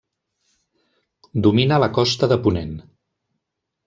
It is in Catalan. Domina la costa de Ponent.